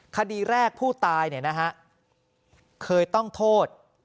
คดีแรกผู้ตายเคยต้องโทษ